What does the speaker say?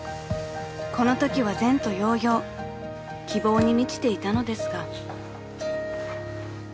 ［このときは前途洋々希望に満ちていたのですが］